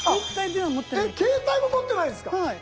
携帯も持ってないんすか⁉はい。